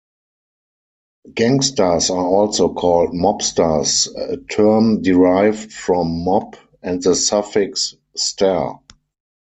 Gangsters are also called mobsters, a term derived from "mob" and the suffix "-ster".